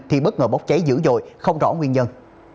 thì bất ngờ bốc cháy dữ dội không rõ nguyên nhân